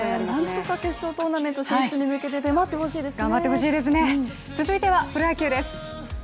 何とか決勝トーナメント進出に向けて頑張ってほしいですね。